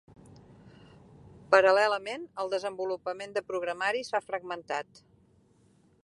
Paral·lelament, el desenvolupament de programari s'ha fragmentat.